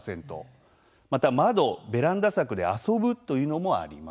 また、窓・ベランダ柵で遊ぶというのもあります。